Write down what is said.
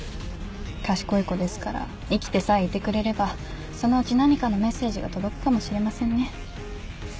賢い子ですから生きてさえいてくれればそのうち何かのメッセージが届くかもしれませんね。